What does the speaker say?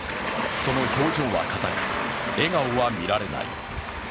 その表情はかたく笑顔は見られない。